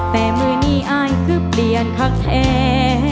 แต่มือนี้อายคือเปลี่ยนคักแท้